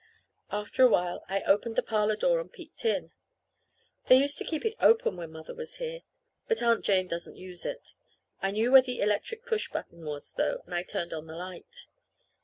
After a while I opened the parlor door and peeked in. They used to keep it open when Mother was here; but Aunt Jane doesn't use it. I knew where the electric push button was, though, and I turned on the light.